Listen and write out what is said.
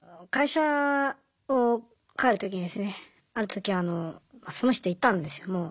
会社を帰る時にですねある時その人いたんですよ。